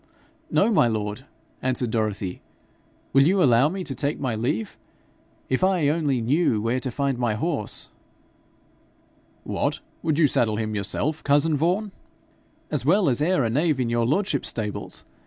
'No, my lord,' answered Dorothy. 'Will you allow me to take my leave? If I only knew where to find my horse!' 'What! would you saddle him yourself, cousin Vaughan?' 'As well as e'er a knave in your lordship's stables.